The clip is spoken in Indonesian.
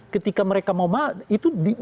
ketika mereka mau